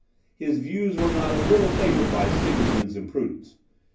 His views were not a little forwarded by Sigismund's imprudence.